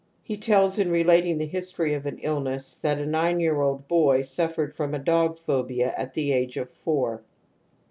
He tells, in relating the history of an illness, that a nine year old boy suffered from a dog phobia at the age of four.